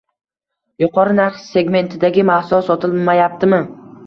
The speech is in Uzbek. yuqori narx segmentidagi mahsulot sotilmayaptimi?